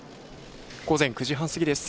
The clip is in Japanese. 午前９時半過ぎです。